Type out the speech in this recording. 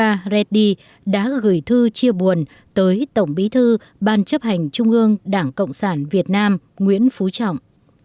tổng bí thư đảng cộng sản ấn độ sudhakar reddy đã gửi thư chia buồn tới tổng bí thư ban chấp hành trung ương đảng cộng sản việt nam nguyễn phú trọng